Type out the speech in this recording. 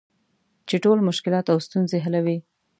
چې ټول مشکلات او ستونزې حلوي .